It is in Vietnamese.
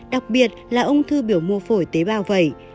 đặc biệt là ung thư biểu mô phổi tế bào vẩy